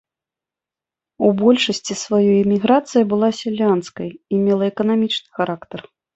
У большасці сваёй эміграцыя была сялянскай і мела эканамічны характар.